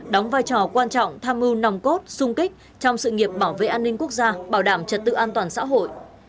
đóng vai trò quan trọng tham mưu nòng cốt sung kích trong sự nghiệp bảo vệ an ninh quốc gia bảo đảm trật tự an toàn xã hội